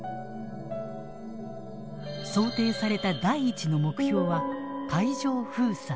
想定された第１の目標は海上封鎖。